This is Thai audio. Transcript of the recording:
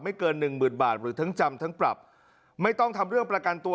เกินหนึ่งหมื่นบาทหรือทั้งจำทั้งปรับไม่ต้องทำเรื่องประกันตัว